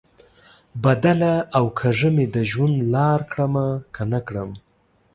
بدله او کږه مې د ژوند لار کړمه، که نه کړم؟